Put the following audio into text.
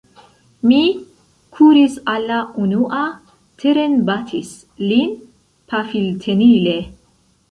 Mi kuris al la unua, terenbatis lin pafiltenile.